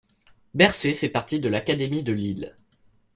Bersée fait partie de l'académie de Lille.